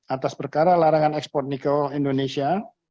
atas perkara larangan ekspor nikel indonesia